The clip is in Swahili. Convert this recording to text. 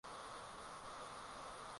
Yule aliyeketi anaangalia tu